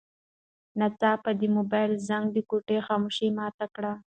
ناڅاپه د موبایل زنګ د کوټې خاموشي ماته کړه.